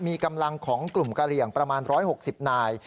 มีกำลังของกลุ่มกะเหลี่ยงประมาณ๑๖๐นาย